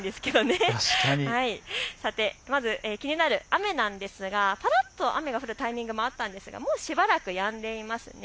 まず気になる雨なんですがぱらっと雨が降るタイミングもありましたが、しばらくやんでいます。